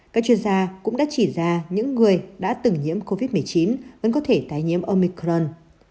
các chuyên gia cũng đã chỉ ra những người đã từng nhiễm covid một mươi chín vẫn có thể tái nhiễm omicron